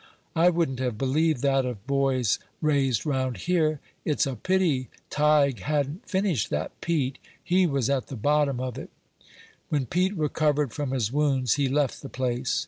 "I wouldn't have believed that of boys raised round here; it's a pity Tige hadn't finished that Pete; he was at the bottom of it." When Pete recovered from his wounds he left the place.